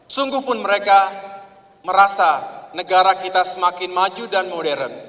sungguh pun mereka merasa negara kita semakin maju dan modern